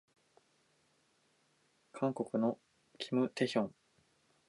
韓国のキム・ジス、白い柔道着。